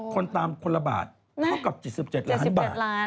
คนตามคนละบาทเท่ากับ๗๗ล้านบาท